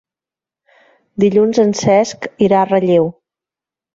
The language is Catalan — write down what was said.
Dilluns en Cesc irà a Relleu.